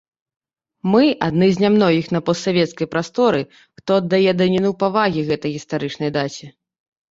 Мы адны з нямногіх на постсавецкай прасторы, хто аддае даніну павагі гэтай гістарычнай даце.